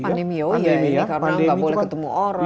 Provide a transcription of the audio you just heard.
pandemi ya ini karena nggak boleh ketemu orang